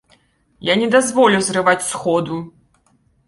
Я не дазволю зрываць сходу!